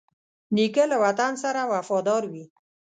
نیکه له وطن سره وفادار وي.